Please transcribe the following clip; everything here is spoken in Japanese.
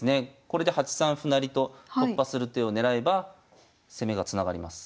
これで８三歩成と突破する手を狙えば攻めがつながります。